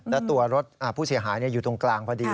และตัวรถผู้เสียหายอยู่ตรงกลางพอดี